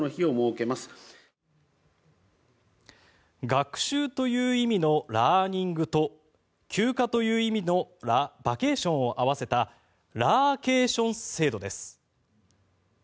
学習という意味のラーニングと休暇という意味のバケーションを合わせたラーケーション制度です。